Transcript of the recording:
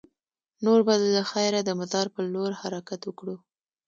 نور به له خیره د مزار په لور حرکت وکړو.